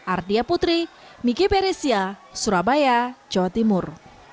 ardia putri miki peresia surabaya jawa timur